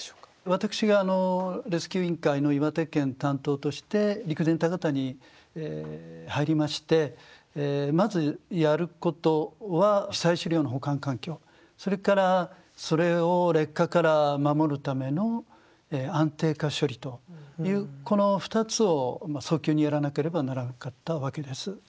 私がレスキュー委員会の岩手県担当として陸前高田に入りましてまずやることは被災資料の保管環境それからそれを劣化から守るための安定化処理というこの２つを早急にやらなければならなかったわけです。